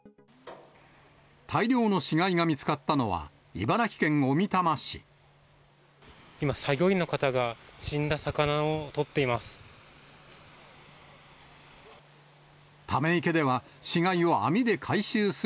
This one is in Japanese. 大量の死骸が見つかったのは、今、作業員の方が死んだ魚を取っています。